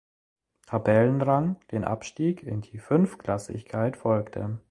Tabellenrang den Abstieg in die Fünftklassigkeit folgte.